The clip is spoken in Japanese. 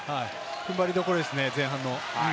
踏ん張りどころですね、前半の。